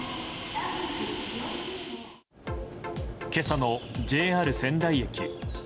今朝のＪＲ仙台駅。